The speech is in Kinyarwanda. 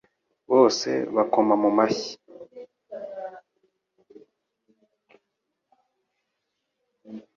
Bose bakoma mu mashyi